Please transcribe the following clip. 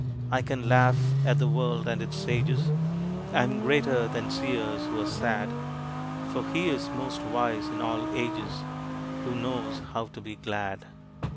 I can laugh at the world and its sages I am greater than seers who are sad, For he is most wise in all ages Who knows how to be glad.